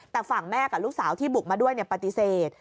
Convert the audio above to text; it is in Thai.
แต่ฝั่งแม่กับลูกสาวที่บุกมาด้วยปฏิเสธ